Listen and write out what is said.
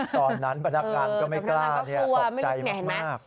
ตอนนั้นพนักงานก็ไม่กล้าตกใจมาก